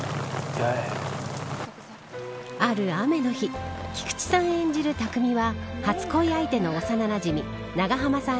ある雨の日菊池さん演じる匠は初恋相手の幼なじみ永濱さん